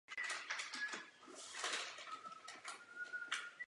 Taková je pravda o tomto nařízení!